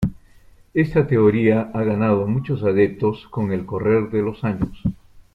Esta teoría ha ganado muchos adeptos con el correr de los años.